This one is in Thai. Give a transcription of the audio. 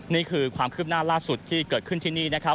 นี่คือความเคลือบหน้าร่าสุดที่เกิดขึ้นที่นี่